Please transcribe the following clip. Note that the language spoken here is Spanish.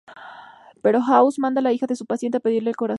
Pero House manda a la hija de su paciente a pedirle el corazón.